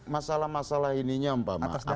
masalah masalah ininya apa yang dilakukan